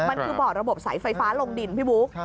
มันคือบ่อระบบสายไฟฟ้าลงดินพี่บุ๊ค